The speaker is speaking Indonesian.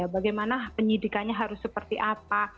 bagaimana penyidikannya harus seperti apa